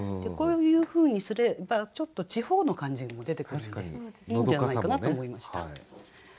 こういうふうにすればちょっと地方の感じも出てくるんでいいんじゃないかなと思いました。